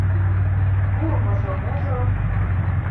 — Пуымыжо-можо...